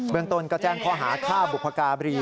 เมืองต้นก็แจ้งข้อหาฆ่าบุพการี